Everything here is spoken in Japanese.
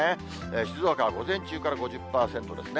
静岡は午前中から５０％ですね。